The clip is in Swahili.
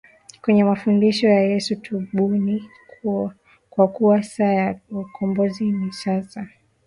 kwenye mafundisho ya YesuTubuni kwa kuwa saa ya ukombozi ni sasa